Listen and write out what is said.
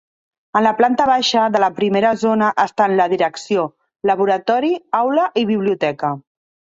En la planta baixa, de la primera zona estan la direcció, laboratori, aula i biblioteca.